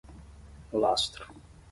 Lastro